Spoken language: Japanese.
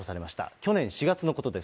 去年４月のことです。